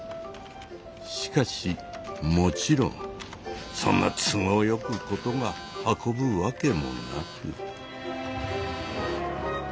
しかしもちろんそんな都合よく事が運ぶわけもなく。